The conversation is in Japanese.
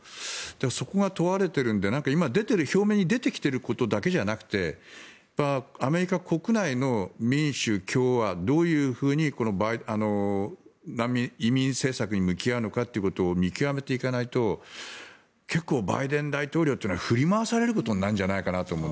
そこが問われているので今、表面に出てきていることだけじゃなくてアメリカ国内の民主、共和どういうふうにこの難民・移民政策に向き合うかっていうことを見極めていかないと結構、バイデン大統領というのは振り回されることになるんじゃないかと。